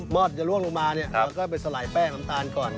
อดจะล่วงลงมาเนี่ยเราก็ไปสลายแป้งน้ำตาลก่อน